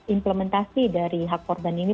implementasi dari hak korban ini